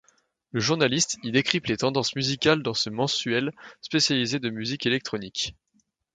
La journaliste y décrypte les tendances musicales dans ce mensuel spécialisé de musique électronique.